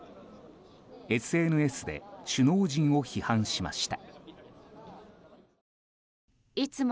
ＳＮＳで首脳陣を批判しました。